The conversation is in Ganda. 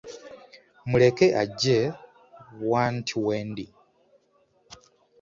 Muleke ajje want wendi.